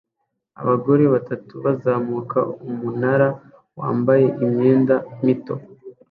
Abagore batatu bazamuka umunara wambaye imyenda mito